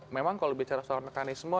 memang kalau bicara soal mekanisme